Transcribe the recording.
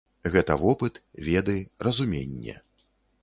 Гэта вопыт, веды, разуменне.